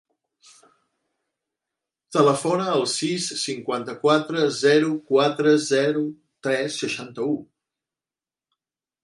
Telefona al sis, cinquanta-quatre, zero, quatre, zero, tres, seixanta-u.